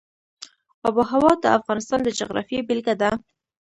آب وهوا د افغانستان د جغرافیې بېلګه ده.